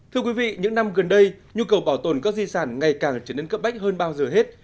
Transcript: thưa quý vị những năm gần đây nhu cầu bảo tồn các di sản ngày càng trở nên cấp bách hơn bao giờ hết